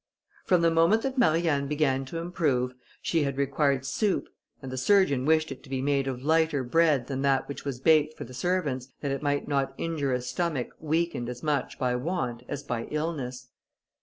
From the moment that Marianne began to improve, she had required soup, and the surgeon wished it to be made of lighter bread than that which was baked for the servants, that it might not injure a stomach weakened as much by want as by illness.